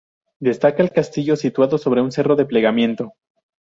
Destaca el castillo, situado sobre un cerro de plegamiento.